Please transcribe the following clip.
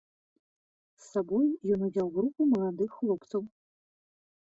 З сабой ён узяў групу маладых хлопцаў.